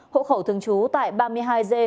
hộ khẩu thường trú tại ba mươi hai g